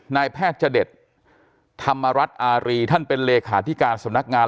นายแพทย์จดธรรมรัฐอารีท่านเป็นเลขาธิการสำนักงาน